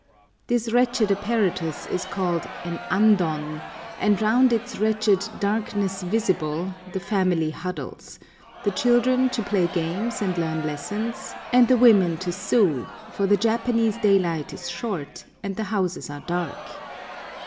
This wretched apparatus is called an andon, and round its wretched "darkness visible" the family huddles—the children to play games and learn lessons, and the women to sew; for the Japanese daylight is short and the houses are dark.